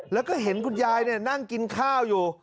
แล้วก็เห็นคุณยายนั่งกินข้าวอยู่